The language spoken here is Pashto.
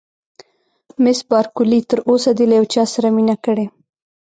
مس بارکلي: تر اوسه دې له یو چا سره مینه کړې؟